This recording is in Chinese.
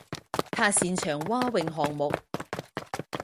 他擅长蛙泳项目。